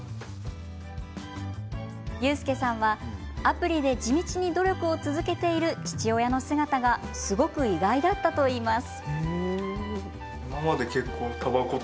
佑亮さんは、アプリで地道に努力を続けている父親の姿がすごく意外だったといいます。